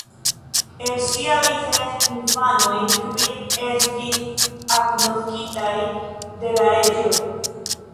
El ŝiaj ses infanoj, kvin estis agnoskitaj de la reĝo.